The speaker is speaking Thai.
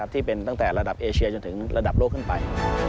ที่เป็นตั้งแต่ระดับเอเชียจนถึงระดับโลกขึ้นไป